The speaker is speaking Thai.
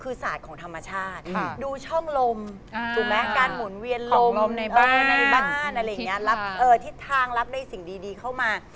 คือศาสตร์ของธรรมชาติดูช่องลมการหมุนเวียนลมของลมในบ้านทิศทางรับได้สิ่งดีเข้ามา